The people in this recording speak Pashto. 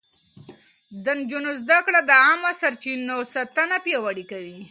د نجونو زده کړه د عامه سرچينو ساتنه پياوړې کوي.